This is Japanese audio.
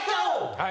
はい。